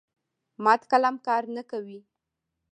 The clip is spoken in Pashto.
مات قلم کار نه کوي.